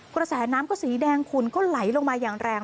กระแสน้ำก็สีแดงขุนก็ไหลลงมาอย่างแรง